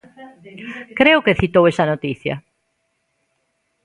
Creo que citou esa noticia.